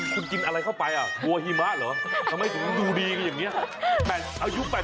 คุณกินอะไรเข้าไปอ่ะผัวหงษ์หรอทำให้คุณดูดีอย่างนี้อะไรอัายุ๘๓ก็กลายอ่ะ